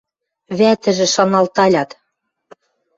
Вӓтӹжӹ шаналталят: